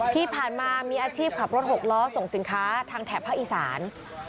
ที่ผ่านมามีอาชีพขับรถหกล้อส่งสินค้าทางแถบภาคอีสาน